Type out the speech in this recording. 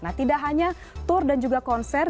nah tidak hanya tour dan juga konser